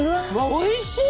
おいしい！